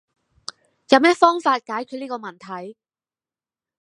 有乜方式解決呢個問題？